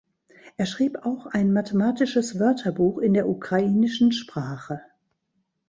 Er schrieb auch ein mathematisches Wörterbuch in der ukrainischen Sprache.